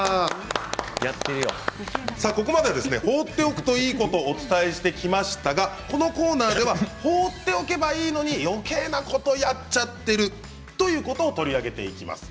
ここまでは放っておくといいことをお伝えしてきましたがこのコーナーでは放っておけばいいのによけいなことやっちゃってるということを取り上げていきます。